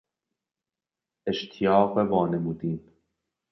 اشتیاق وانمودین